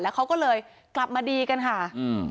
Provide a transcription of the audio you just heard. แล้วเขาก็เลยกลับมาดีกันค่ะ